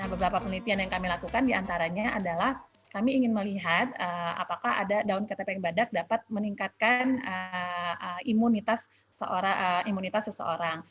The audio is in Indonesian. beberapa penelitian yang kami lakukan diantaranya adalah kami ingin melihat apakah ada daun ketepeng badak dapat meningkatkan imunitas seseorang